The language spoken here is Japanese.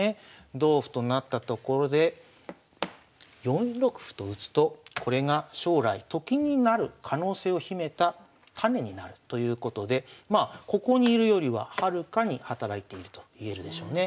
同歩となったところで４六歩と打つとこれが将来と金になる可能性を秘めた種になるということでまあここに居るよりははるかに働いているといえるでしょうね。